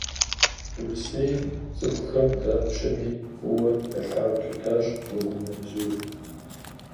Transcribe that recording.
Урысейм цӏыхухэм дапщэми фӏыуэ ялъагъуу щытащ уэгунэбзур.